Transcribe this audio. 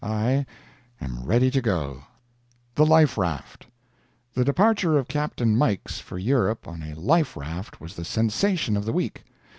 I am ready to go. THE LIFE RAFT The departure of Capt. Mikes for Europe on a life raft was the sensation of the week.